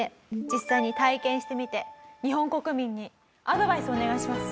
実際に体験してみて日本国民にアドバイスをお願いします。